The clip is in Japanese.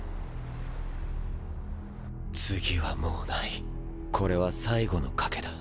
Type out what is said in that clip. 次はもうないこれは最後の賭けだ。